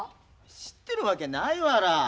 知ってるわけないわら。